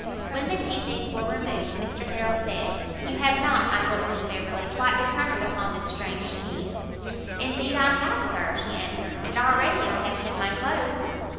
When the tea things were removed, Mr Harrel said, "You have not, I hope, Miss Beverley, quite determined upon this strange scheme?" "Indeed I have, Sir," she answered, "and already I have sent my clothes."